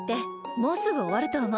もうすぐおわるとおもう。